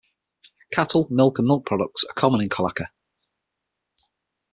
Cattle, milk and milk products are common in Cololaca.